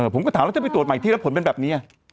ผมก็ถามแล้วจะไปตรวจใหม่ที่แล้วผลเป็นแบบนี้